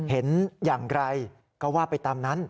เห็นอย่างไรก็ว่าไปตามนั้น